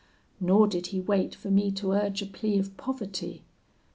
Nor did he wait for me to urge a plea of poverty.